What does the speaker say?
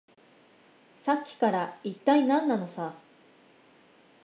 さっきから、いったい何なのさ。